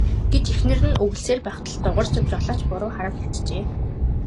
гэж эхнэр нь үглэсээр байх тул Дугаржав жолооч буруу харан хэвтжээ.